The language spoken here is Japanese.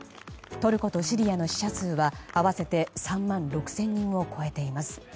トルコとシリアの死者数は合わせて３万６０００人を超えています。